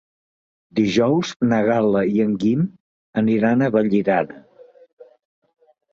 Dijous na Gal·la i en Guim aniran a Vallirana.